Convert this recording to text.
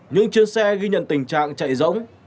những chiếc xe ghi nhận tình trạng chạy rỗng